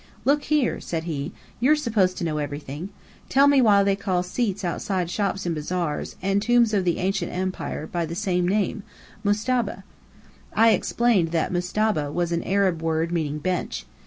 "Look here," said he. "You're supposed to know everything. Tell me why they call seats outside shops in bazaars, and tombs of the Ancient Empire by the same name: mastaba?" I explained that mastaba was an Arab word meaning bench.